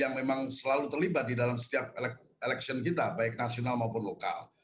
yang memang selalu terlibat di dalam setiap election kita baik nasional maupun lokal